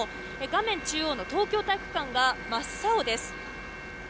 画面中央の東京体育館は真っ青です。